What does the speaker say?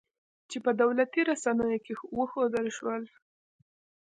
چې په دولتي رسنیو کې وښودل شول